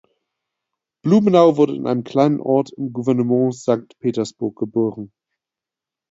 Blumenau wurde in einem kleinen Ort im Gouvernement Sankt Petersburg geboren.